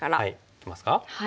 いきますか。